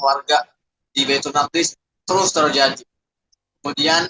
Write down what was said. warga di betul betul terus terjadi kemudian